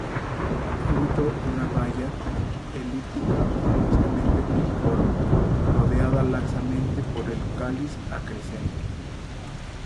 Fruto una baya, elíptica o angostamente piriforme, rodeada laxamente por el cáliz acrescente.